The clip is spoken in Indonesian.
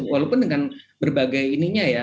walaupun dengan berbagai